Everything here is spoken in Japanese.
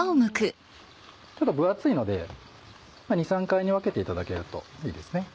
ちょっと分厚いので２３回に分けていただけるといいですね。